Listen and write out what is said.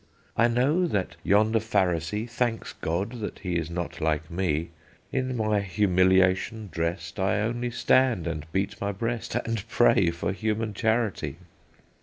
"I know that yonder Pharisee Thanks God that he is not like me; In my humiliation dressed, I only stand and beat my breast, And pray for human charity.